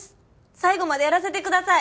最後までやらせてください！